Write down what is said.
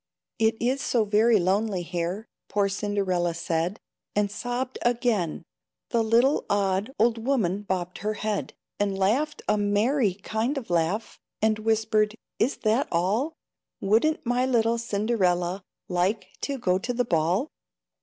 "It is so very lonely here," Poor Cinderella said, And sobbed again. The little odd Old woman bobbed her head, And laughed a merry kind of laugh, And whispered, "Is that all? Wouldn't my little Cinderella Like to go to the ball?